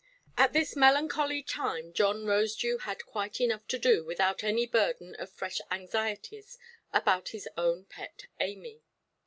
At this melancholy time, John Rosedew had quite enough to do without any burden of fresh anxieties about his own pet Amy.